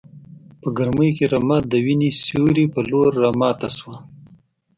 په ګرمۍ کې رمه د وینې سیوري په لور راماته شوه.